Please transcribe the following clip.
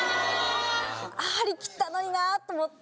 張り切ったのになと思って。